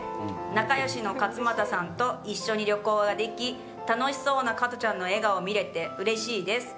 仲よしの勝俣さんと一緒に旅行ができ楽しそうな加トちゃんの笑顔を見れてうれしいです。